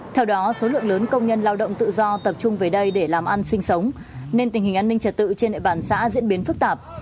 theo đó số lượng lớn công nhân lao động tự do tập trung về đây để làm ăn sinh sống nên tình hình an ninh trật tự trên địa bàn xã diễn biến phức tạp